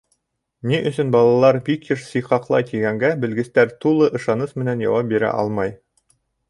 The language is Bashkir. Ни өсөн балалар бик йыш сиҡаҡлай, тигәнгә белгестәр тулы ышаныс менән яуап бирә алмай.